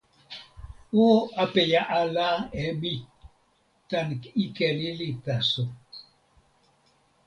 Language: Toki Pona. o apeja ala e mi tan ike lili taso!